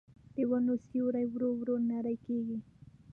د ونو سیوري ورو ورو نری کېږي